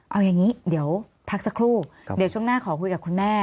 เอาอย่างนี้เดี๋ยวพักสักครู่เดี๋ยวช่วงหน้าขอคุยกับคุณแม่